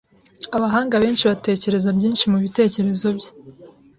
Abahanga benshi batekereza byinshi mubitekerezo bye.